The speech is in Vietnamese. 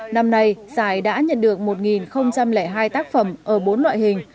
năm nay giải đã nhận được một hai tác phẩm ở bốn loại hình